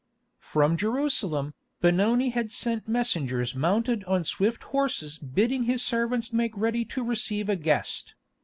From Jerusalem, Benoni had sent messengers mounted on swift horses bidding his servants make ready to receive a guest.